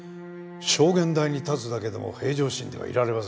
証言台に立つだけでも平常心ではいられません。